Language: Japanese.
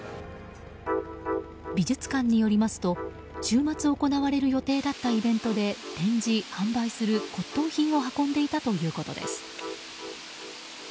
美術館によりますと週末行われる予定だったイベントで展示・販売する骨董品を運んでいたということです。